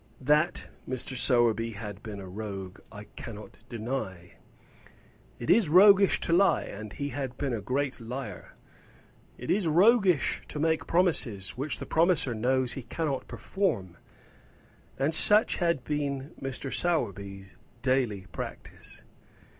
That Mr. Sowerby had been a rogue, I cannot deny. It is roguish to lie, and he had been a great liar. It is roguish to make promises which the promiser knows he cannot perform, and such had been Mr. Sowerby's daily practice.